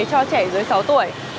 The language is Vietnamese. cho trẻ dưới sáu tuổi